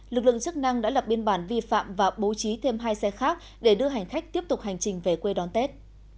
lực lượng chức năng đã lập biên bản vi phạm và bố trí thêm hai xe khác để đưa hành khách tiếp tục hành trình về quê đón tết